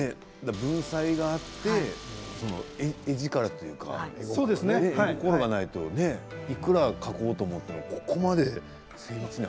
文才があって絵力というか、絵心がないといくら描こうと思ってもここまで精密には。